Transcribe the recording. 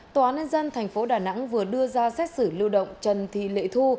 tòa án nhân dân thành phố đà nẵng vừa đưa ra xét xử lưu động trần thị lệ thu